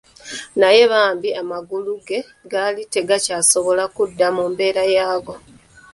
Naye bambi amagulu ge gaali tegakyasobola kudda mu mbeera yaago.